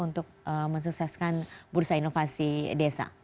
untuk mensukseskan bursa inovasi desa